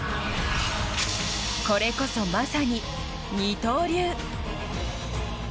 これこそ、まさに二刀流。